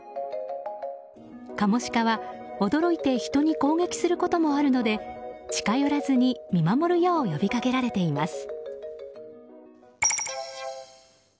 カモシカは驚いて人に攻撃することもあるので近寄らずに見守るよう呼びかけられています。